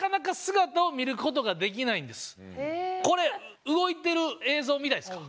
これ動いてる映像見たいですか？